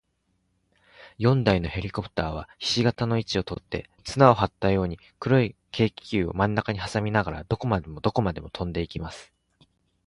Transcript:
四台のヘリコプターは、ひし形の位置をとって、綱をはったように、黒い軽気球をまんなかにはさみながら、どこまでもどこまでもとんでいきます。